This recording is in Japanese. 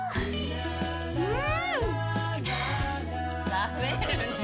食べるねぇ。